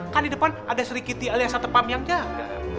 kan di depan ada sri kitty alias satpam yang jaga